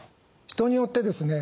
人によってですね